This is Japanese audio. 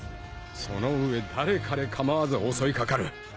その上誰彼構わず襲い掛かる。